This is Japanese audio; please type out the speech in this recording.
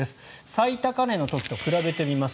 最高値の時と比べてみます。